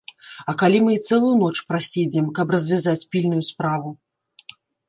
А калі мы і цэлую ноч праседзім, каб развязаць пільную справу?